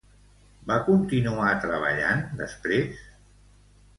Va continuar treballant després?